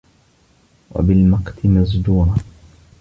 وَبِالْمَقْتِ مَزْجُورًا